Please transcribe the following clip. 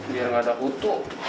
biar nggak takutu